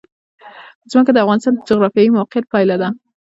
ځمکه د افغانستان د جغرافیایي موقیعت پایله ده.